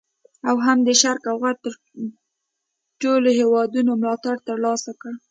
او هم د شرق او غرب د ټولو هیوادونو ملاتړ تر لاسه کړ.